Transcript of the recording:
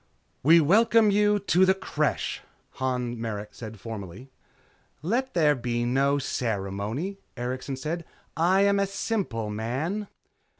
"We welcome you to the Creche," Han Merrick said formally. "Let there be no ceremony," Erikson said, "I am a simple man."